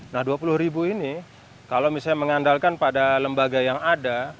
nah dua puluh ribu ini kalau misalnya mengandalkan pada lembaga yang ada